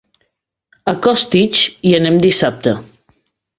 A Costitx hi anem dissabte.